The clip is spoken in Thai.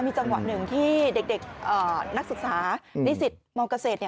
มีจังหวะหนึ่งที่เด็กนักศึกษานิสิตมเกษตร